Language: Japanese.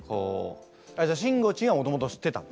じゃあしんごちんはもともと知ってた？